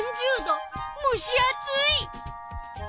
むし暑い！